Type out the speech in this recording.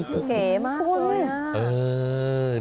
เขมากเลย